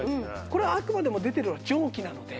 これはあくまでも出ているのは蒸気なので。